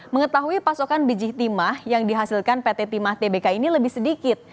mengetahui pasokan biji timah yang dihasilkan pt timah tbk ini lebih sedikit